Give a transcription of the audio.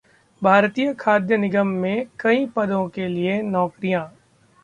भारतीय खाद्य निगम में कई पदों के लिए नौकरियां